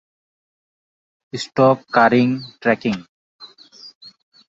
stock Kangri trekking